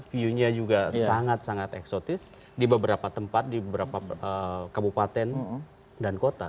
view nya juga sangat sangat eksotis di beberapa tempat di beberapa kabupaten dan kota